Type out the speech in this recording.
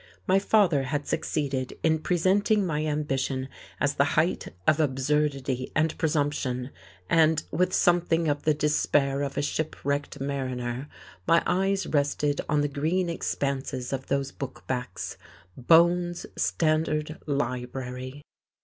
My father had succeeded in presenting my ambition as the height of absurdity and presumption, and with something of the despair of a shipwrecked mariner my eyes rested on the green expanses of those book backs, Bohn's Standard Library!